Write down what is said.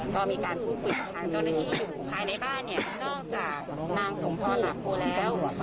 ก็มีการพูดคุยกับทางเจ้าหน้าที่อยู่ภายในบ้านเนี่ยนอกจากนางสมพรหลาโพแล้ว